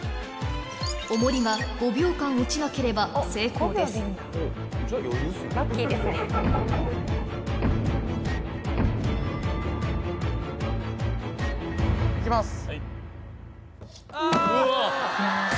おもりが５秒間落ちなければ成功ですいきます